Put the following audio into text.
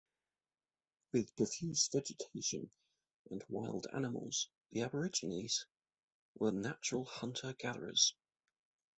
With profuse vegetation and wild animals, the aborigines were natural hunter-gatherers.